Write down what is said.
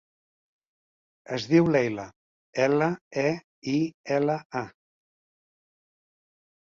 Es diu Leila: ela, e, i, ela, a.